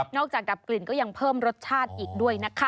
จากดับกลิ่นก็ยังเพิ่มรสชาติอีกด้วยนะคะ